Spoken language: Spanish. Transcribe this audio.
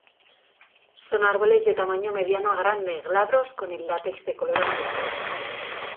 Son árboles de tamaño mediano a grande, glabros con el látex de color amarillo.